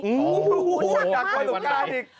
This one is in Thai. อู้หู้หุ้นฉักมาก